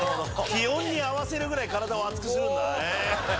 気温に合わせるぐらい体を熱くするんだね